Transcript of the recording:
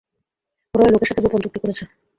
ওরা এই লোকের সাথে গোপন চুক্তি করেছে।